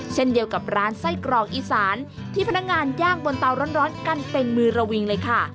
เช่นเดียวกับร้านไส้กรอกอีสานที่พนักงานย่างบนเตาร้อนกันเป็นมือระวิงเลยค่ะ